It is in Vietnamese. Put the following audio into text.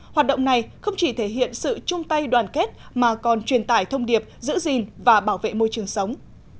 hoạt động này không chỉ thể hiện sự chung tay đoàn kết mà còn truyền tải thông điệp giữ gìn và bảo vệ môi trường sống